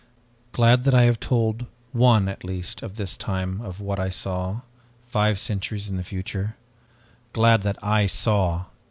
Glad that I have told one at least of this time of what I saw five centuries in the future. Glad that I saw!